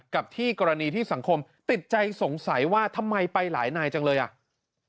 กับที่กรณีที่สังคมติดใจสงสัยว่าทำไมไปหลายนายจังเลยอ่ะ